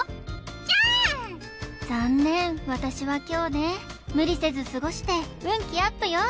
チャーン残念私は凶ね無理せず過ごして運気アップよ